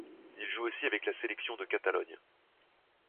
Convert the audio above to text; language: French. Il joue aussi avec la sélection de Catalogne.